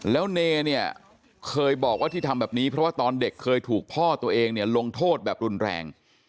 แล้วเนเนี่ยเคยบอกว่าที่ทำแบบนี้เพราะว่าตอนเด็กเคยถูกพ่อตัวเองเนี่ยลงโทษแบบรุนแรง